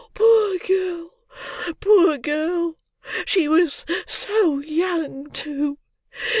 Poor girl! poor girl! She was so young, too!